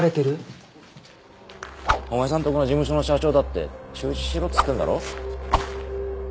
お前さんとこの事務所の社長だって中止しろっつってんだろ？